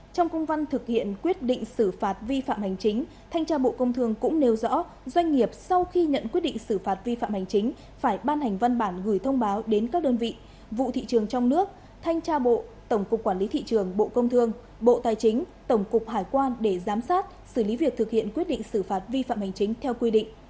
trong công văn thực hiện quyết định xử phạt vi phạm hành chính thanh tra bộ công thương cũng nêu rõ doanh nghiệp sau khi nhận quyết định xử phạt vi phạm hành chính phải ban hành văn bản gửi thông báo đến các đơn vị vụ thị trường trong nước thanh tra bộ tổng cục quản lý thị trường bộ công thương bộ tài chính tổng cục hải quan để giám sát xử lý việc thực hiện quyết định xử phạt vi phạm hành chính theo quy định